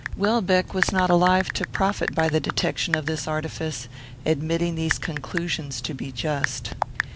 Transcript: Welbeck was not alive to profit by the detection of this artifice, admitting these conclusions to be just.